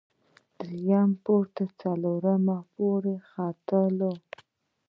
درییم پوړ ته څلور واړه ختلو.